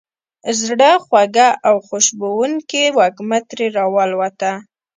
زړه خوږه او خوشبوونکې وږمه ترې را والوته.